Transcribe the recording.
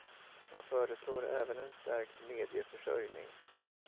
Man föreslår även en stärkt medieförsörjning.